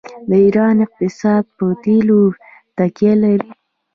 د ایران اقتصاد په تیلو تکیه لري.